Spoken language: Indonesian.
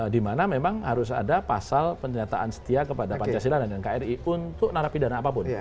dimana memang harus ada pasal penyertaan setia kepada pancasila dan nkri untuk narapidana apapun